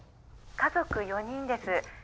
家族４人です。